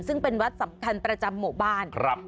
ซึ่งเป็นวัดสำคัญประจำหมู่บ้าน